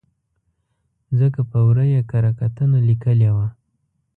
ځکه په ور ه یې کره کتنه لیکلې وه.